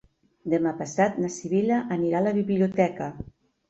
Demà passat na Sibil·la anirà a la biblioteca.